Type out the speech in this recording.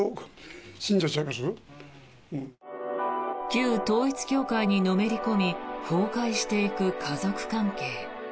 旧統一教会にのめり込み崩壊していく家族関係。